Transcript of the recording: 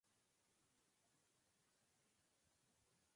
Es el mascarón de proa de la editorial.